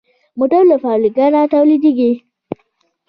موټر له فابریکې نه تولیدېږي.